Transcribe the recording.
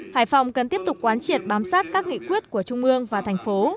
hải phòng cần tiếp tục quán triệt bám sát các nghị quyết của trung ương và thành phố